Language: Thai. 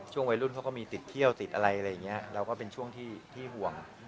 วัยรุ่นเขาก็มีติดเที่ยวติดอะไรอะไรอย่างนี้เราก็เป็นช่วงที่ห่วง